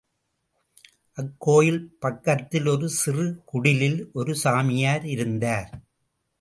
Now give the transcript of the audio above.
அக்கோயில் பக்கத்தில் ஒரு சிறு குடிலில் ஒரு சாமியார் இருந்தார்.